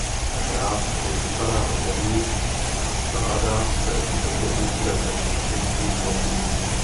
Hráz je sypaná zemní a skládá se z betonových gravitačních funkčních bloků.